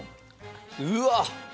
うわっ！